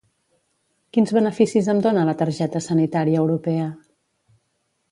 Quins beneficis em dona la targeta sanitària europea?